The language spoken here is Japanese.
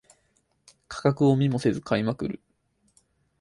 価格を見もせず買いまくる